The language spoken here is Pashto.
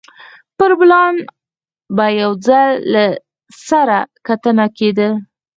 پر پلان به یو ځل له سره کتنه کېده